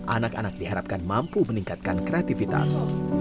anak anak diharapkan mampu meningkatkan kreativitas